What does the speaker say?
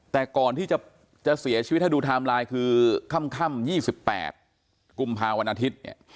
แต่ก่อนที่จะเสียชีวิตถ้าดูไทม์ไลน์คือค่ำ๒๘กุมภาวันอาทิตย์เนี่ย